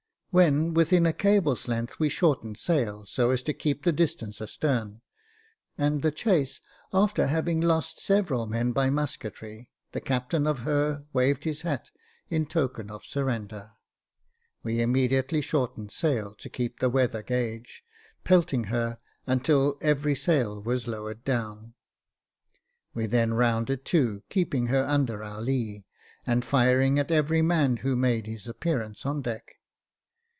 When within a cable's length we shortened sail, so as to keep at that distance astern, and the chase, after having lost several men by musketry, the captain of her waved his hat in token of surrender. We immediately shortened sail to keep the weather gage, pelt ing her until every sail was lowered down : we then rounded to, keeping her under our lee, and firing at every man who made his appearance on deck.